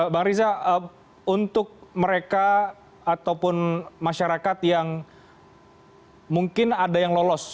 bang riza untuk mereka ataupun masyarakat yang mungkin ada yang lolos